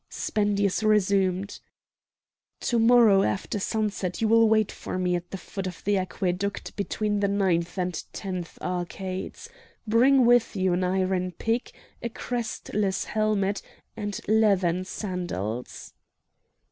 Spendius resumed: "To morrow after sunset you will wait for me at the foot of the aqueduct between the ninth and tenth arcades. Bring with you an iron pick, a crestless helmet, and leathern sandals."